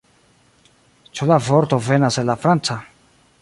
Ĉu la vorto venas el la franca?